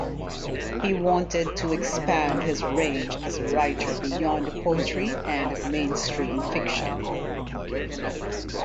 He wanted to expand his range as a writer beyond poetry and mainstream fiction.